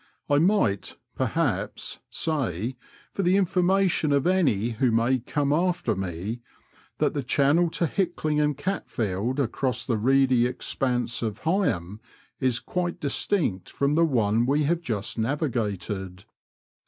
I might, perhaps, say, for the information of any who may come after me, that the channel to Hickling and Catfield across the reedy expanse of Heigham is quite distinct from the one we hare just navigated.